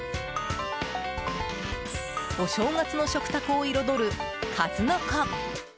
お正月の食卓を彩るカズノコ。